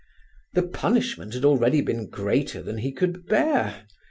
The punishment had already been greater than he could bear.